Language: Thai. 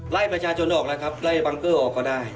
ไล่ประชาชนออกแล้วครับไล่บังเกอร์ออกก็ได้